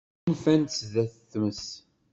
Sgunfant sdat tmes.